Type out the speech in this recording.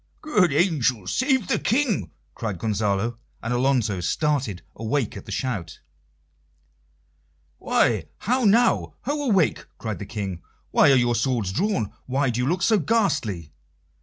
"Good angels save the King!" cried Gonzalo; and Alonso started awake at the shout. "Why! how now? Ho, awake!" cried the King. "Why are your swords drawn? Why do you look so ghastly?"